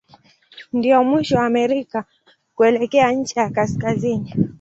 Ndio mwisho wa Amerika kuelekea ncha ya kaskazini.